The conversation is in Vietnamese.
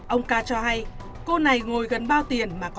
ông ca cho hay cô này ngồi gần bao tiền mà có